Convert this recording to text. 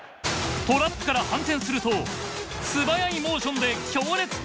トラップから反転すると素早いモーションで強烈なミドルシュート。